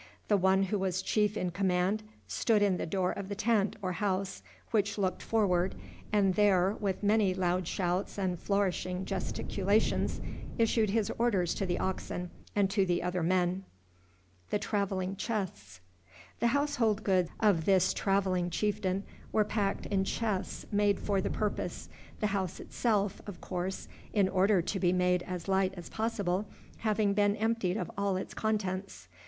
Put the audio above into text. The one who was chief in command stood in the door of the tent or house which looked forward, and there, with many loud shouts and flourishing gesticulations, issued his orders to the oxen and to the other men. The household goods of this traveling chieftain were packed in chests made for the purpose, the house itself, of course, in order to be made as light as possible, having been emptied of all its contents.